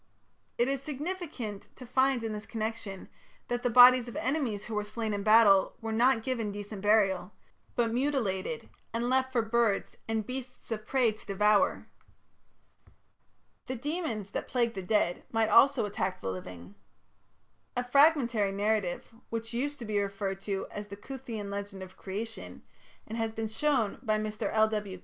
It is significant to find in this connection that the bodies of enemies who were slain in battle were not given decent burial, but mutilated and left for birds and beasts of prey to devour. The demons that plagued the dead might also attack the living. A fragmentary narrative, which used to be referred to as the "Cuthean Legend of Creation", and has been shown by Mr. L.W.